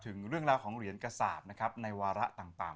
ถึงเรื่องราวของเหรียญกษาปนะครับในวาระต่าง